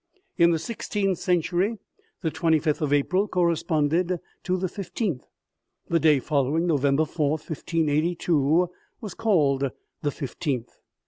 In the sixteenth century, the twenty fifth of April corresponded to the fifteenth ; the day following November 4, 1582, was called the fifteenth.